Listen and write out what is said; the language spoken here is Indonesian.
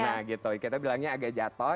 nah gitu kita bilangnya agak jatuh